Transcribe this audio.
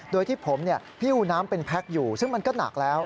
โดยที่ผมหิ้วน้ำเป็นแพ็คอยู่ซึ่งมันก็หนักแล้ว